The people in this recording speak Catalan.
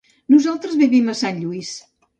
Nosaltres vivim a Sant Lluís.